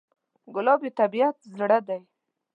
ګلاب د طبیعت زړه دی.